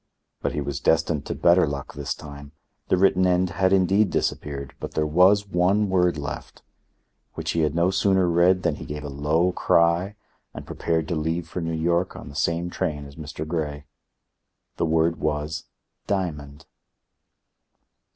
But he was destined to better luck this time. The written end had indeed disappeared, but there was one word left, which he had no sooner read than he gave a low cry and prepared to leave for New York on the same train as Mr. Grey. The word was—diamond.